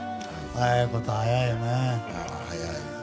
早いことは早いよね。